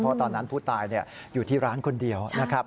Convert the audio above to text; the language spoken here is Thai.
เพราะตอนนั้นผู้ตายอยู่ที่ร้านคนเดียวนะครับ